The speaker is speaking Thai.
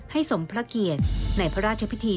สมพระเกียรติในพระราชพิธี